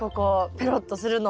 ペロッとするの。